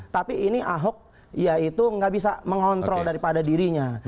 tapi ini ahok ya itu nggak bisa mengontrol daripada dirinya